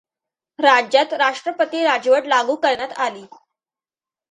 राज्यात राष्ट्रपती राजवट लागू करण्यात आली.